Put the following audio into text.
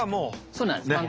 そうなんです満点。